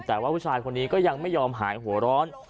แต่ว่าผู้ชายคนนี้ก็ยังไม่ยอมหายหัวร้อน